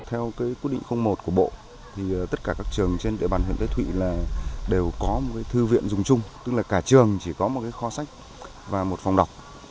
với quyết định một của bộ tất cả các trường trên địa bàn huyện tây thụy đều có một thư viện dùng chung tức là cả trường chỉ có một kho sách và một phòng đọc